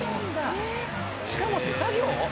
しかも手作業？